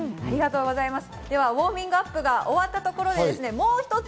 ではウオーミングアップが終わったところで、もう一つ。